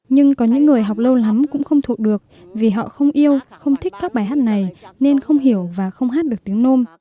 nhưng có những người học lâu lắm cũng không thuộc được vì họ không yêu không thích các bài hát này nên không hiểu và không hát được tiếng nôm